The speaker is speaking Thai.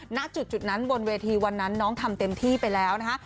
ณจุดนั้นบนเวทีวันนั้นน้องทำเต็มที่ไปแล้วนะคะ